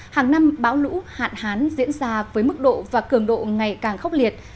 hàng năm bão lũ hạn hán diễn ra với mức độ và cường độ ngày càng khốc liệt